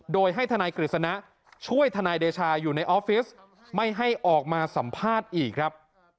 โดยให้ทนายกฤษณะช่วยทนายเดชาอยู่ในออฟฟิศไม่ให้ออกมาสัมภาษณ์อีกครับ